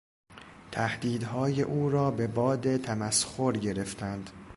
تهدیدهای او را به باد تمسخر گرفتند.